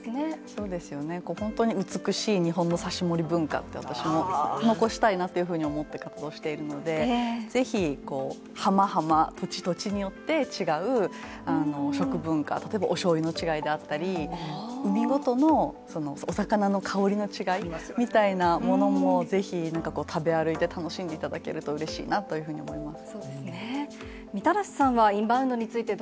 そうですよね、本当に美しい日本のさしもり文化みたいなもの、私も残したいなっていうふうに思って活動しているので、ぜひ浜浜、土地土地によって、違う食文化、例えば、おしょうゆの違いであったり、海ごとのお魚の香りの違いみたいなものも、ぜひ、なんか食べ歩いて、楽しんでいただけるとうれしいなというふうに思います。